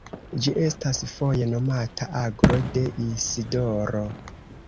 Ĝi estas foje nomata Aglo de Isidoro.